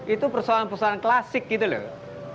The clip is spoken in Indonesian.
itu persoalan persoalan klasik gitu loh